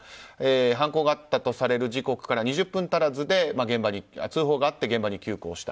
犯行があったとされる時刻から２０分足らずで通報があってから現場に急行した。